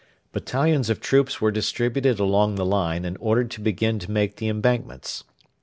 Battalions of troops were distributed along the line and ordered to begin to make the embankments.